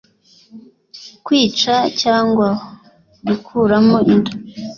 kwica cyangwa gukuramo inda